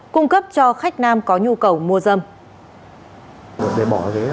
cung cấp cho khách nam có nhu cầu mua dâm